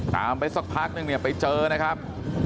ไปสักพักนึงเนี่ยไปเจอนะครับ